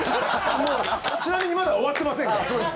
ちなみにまだ終わってませんから。